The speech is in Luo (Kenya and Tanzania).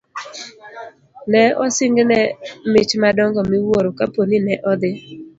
Ne osingne mich madongo miwuoro kapo ni ne odhi